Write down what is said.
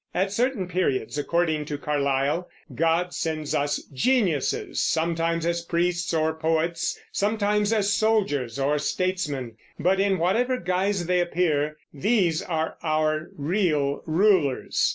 At certain periods, according to Carlyle, God sends us geniuses, sometimes as priests or poets, sometimes as soldiers or statesmen; but in whatever guise they appear, these are our real rulers.